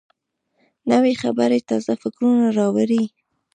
نوې خبرې تازه فکرونه راوړي